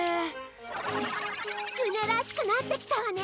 舟らしくなってきたわね。